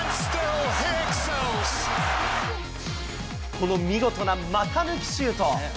この見事な股抜きシュート。